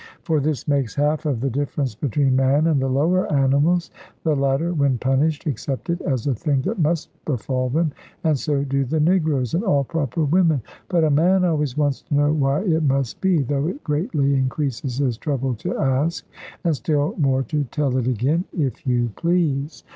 For this makes half of the difference between man and the lower animals: the latter, when punished, accept it as a thing that must befall them; and so do the negroes, and all proper women: but a man always wants to know why it must be; though it greatly increases his trouble to ask, and still more to tell it again, if you please.